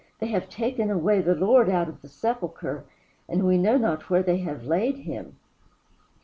"They have taken away the Lord out of the sepulchre, and we know not where they have laid him."